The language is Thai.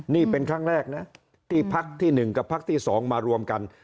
นี่เป็นครั้งแรกนะที่พักที่๑กับพักที่๒มารวมกัน